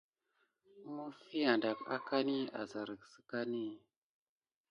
Məffia daki angani aserki sikani.